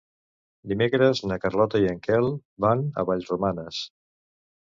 Dimecres na Carlota i en Quel van a Vallromanes.